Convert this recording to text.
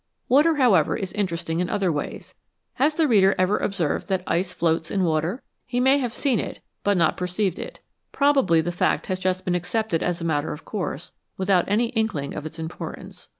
Water, however, is interesting in other ways. Has the reader ever observed that ice floats in water ? He may have seen it, but not perceived it. Probably the fact has just been accepted as a matter of course, without any inkling of its importance.